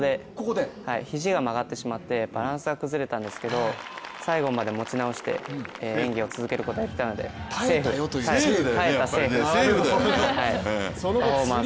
肘が曲がってしまって、バランスが崩れてしまったんですけど最後まで持ち直して演技を続けることができたのでセーフという、耐えたというパフォーマンスをしました。